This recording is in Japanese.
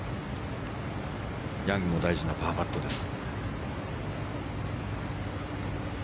ヤングも大事なパーパットです。